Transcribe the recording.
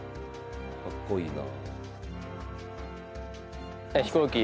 かっこいいな。